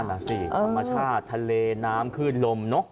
นั่นน่ะสิธรรมชาติทะเลน้ำขึ้นลมเนอะ